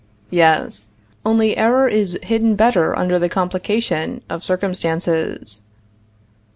Yes; only error is hidden better under the complication of circumstances.